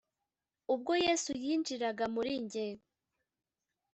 Ubwo Yesu yinjiraga muri jye.